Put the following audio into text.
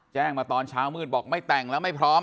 แจ้งมาตอนเช้ามืดบอกไม่แต่งแล้วไม่พร้อม